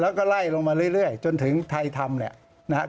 แล้วก็ไล่ลงมาเรื่อยจนถึงไทยธรรมเนี่ยนะครับ